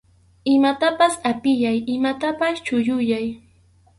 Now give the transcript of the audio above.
Imatapas apiyay, imatapas chulluyay.